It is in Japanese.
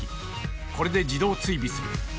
これで自動追尾する。